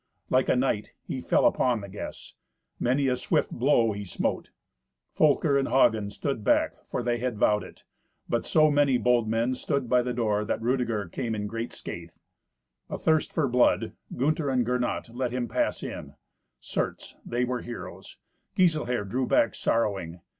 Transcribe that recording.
Like a knight he fell upon the guests. Many a swift blow he smote. Folker and Hagen stood back, for they had vowed it. But so many bold men stood by the door that Rudeger came in great scathe. Athirst for blood, Gunther and Gernot let him pass in. Certes, they were heroes. Giselher drew back sorrowing.